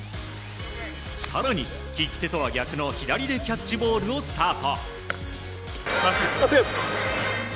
更に利き手とは逆の左でキャッチボールをスタート。